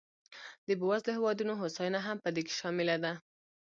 د بېوزلو هېوادونو هوساینه هم په دې کې شامله ده.